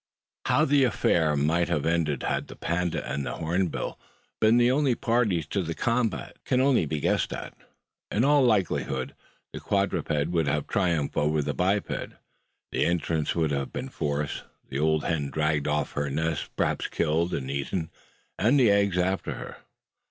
How the affair might have ended had the panda and the hornbill been the only parties to the combat, can but be guessed at. In all likelihood the quadruped would have triumphed over the biped: the entrance would have been forced; the old hen dragged off her nest perhaps killed and eaten and the eggs after her.